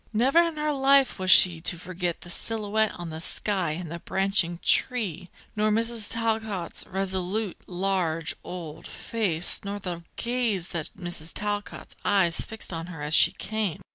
Never in her life was she to forget the silhouette on the sky and the branching tree, nor Mrs. Talcott's resolute, large, old, face, nor the gaze that Mrs. Talcott's eyes fixed on her as she came.